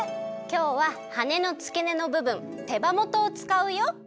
きょうははねのつけねのぶぶん手羽元をつかうよ。